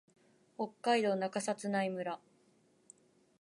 北海道中札内村